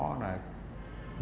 sau này nghe là có